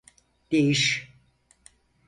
Değiş!